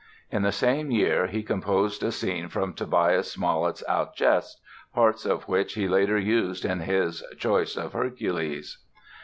In the same year he composed a scene from Tobias Smollet's "Alceste", parts of which he later used in his "Choice of Hercules".